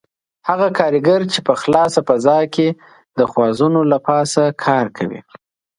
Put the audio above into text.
هغه کاریګر چې په خلاصه فضا کې د خوازونو له پاسه کار کوي.